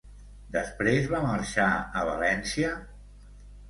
Després va marxar a València?